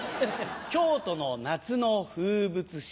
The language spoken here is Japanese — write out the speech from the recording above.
京都の夏の風物詩。